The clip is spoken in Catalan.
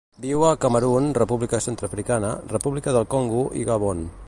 Viu a Camerun, República Centreafricana, República del Congo i Gabon.